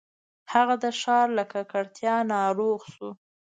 هغه د ښار له ککړتیا ناروغ شو.